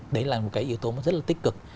đấy là một cái yếu tố mà rất là tích cực